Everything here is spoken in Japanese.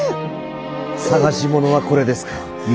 探し物はこれですか？